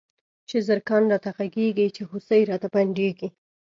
چی زرکان راته غږيږی، چی هوسۍ راته پنډيږی